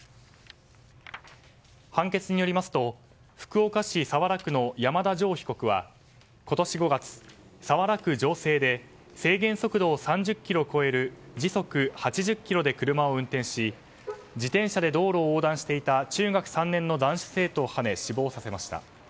判決によりますと福岡市早良区の山田穣被告は今年５月早良区城西で制限速度を３０キロ超える時速８０キロで車を運転し自転車で道路を横断していた中学３年の男子生徒をはね死亡させました。